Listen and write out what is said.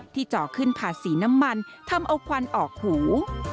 จ่อขึ้นภาษีน้ำมันทำเอาควันออกหู